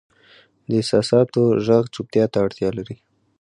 د احساساتو ږغ چوپتیا ته اړتیا لري.